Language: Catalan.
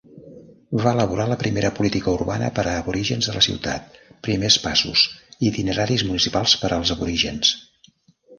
Va elaborar la primera política urbana per a aborígens de la ciutat, Primers passos: itineraris municipals per als aborígens.